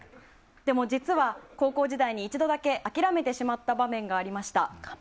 でも実は高校時代に一度だけ諦めてしまった場面がありました。